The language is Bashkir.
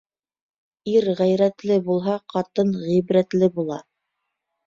Ир ғәйрәтле булһа, ҡатын ғибрәтле була.